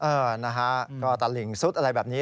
เออนะฮะก็ตะหลิ่งซุดอะไรแบบนี้